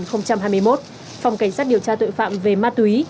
phòng cảnh sát điều tra tội phạm về ma túy